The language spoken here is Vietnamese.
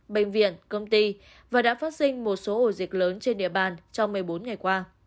bệnh viện công ty và đã phát sinh một số ổ dịch lớn trên địa bàn trong một mươi bốn ngày qua